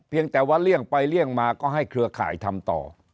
แต่ว่าเลี่ยงไปเลี่ยงมาก็ให้เครือข่ายทำต่อ